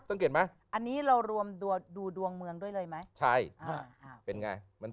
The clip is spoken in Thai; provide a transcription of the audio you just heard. สังเกตไหมอันนี้เรารวมดูดวงเมืองด้วยเลยไหมใช่อ่าเป็นไงมัน